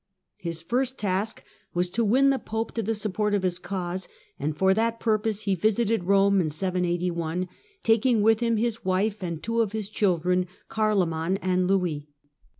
His first task was to win the Pope to the support of his cause, and for that purpose he visited Rome in 781, taking with him his wife and two of his children, Carlo man and Louis.